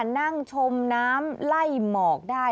นั่งชมน้ำไล่หมอกได้